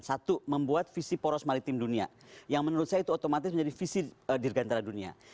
satu membuat visi poros maritim dunia yang menurut saya itu otomatis menjadi visi dirgantara dunia